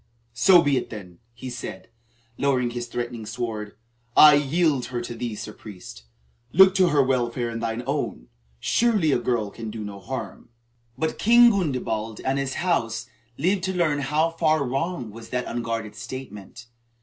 "So be it then," he said, lowering his threatening sword. "I yield her to thee, Sir Priest. Look to her welfare and thine own. Surely a girl can do no harm." But King Gundebald and his house lived to learn how far wrong was that unguarded statement.